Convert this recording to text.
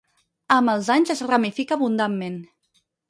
Amb els anys es ramifica abundantment.